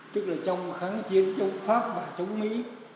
tức là trong kháng chiến chống pháp và chống mỹ